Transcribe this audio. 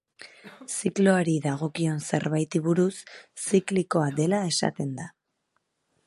Zikloari dagokion zerbaiti buruz ziklikoa dela esaten da.